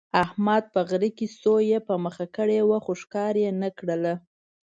احمد په غره کې سویه په مخه کړې وه، خو ښکار یې نه کړله.